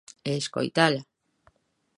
E escoitala.